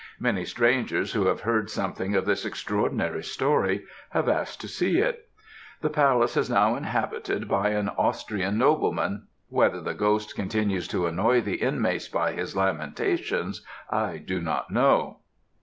Many strangers who have heard something of this extraordinary story, have asked to see it. The palace is now inhabited by an Austrian nobleman, whether the ghost continues to annoy the inmates by his lamentations I do not know.